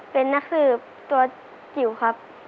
เป็นนักเรียนก่อนครับ